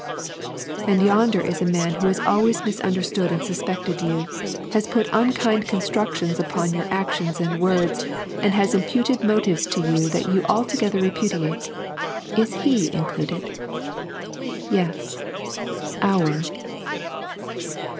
And yonder ia a man who has always misunderstood and suspected you, has put unkind constructioDS upon your actions and words, and has imputed motives to you that you altogether repudiate: is he included? Yes — "our."